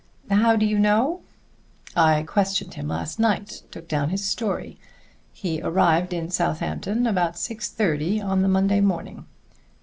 "How do you know?" "I questioned him last night, and took down his story. He arrived in Southampton about six thirty on the Monday morning."